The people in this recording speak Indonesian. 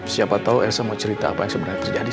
siapa tahu elsa mau cerita apa yang sebenarnya terjadi